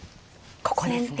ここですね。